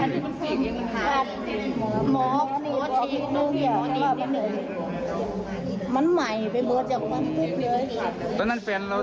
อ่าป่ะไม่ต้องพูดอยู่